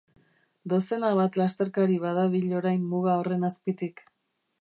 Dozena bat lasterkari badabil orain muga horren azpitik.